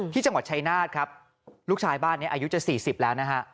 ที่จังหวัดชายนาฏครับลูกชายบ้านนี้อายุจะ๔๐แล้วนะฮะ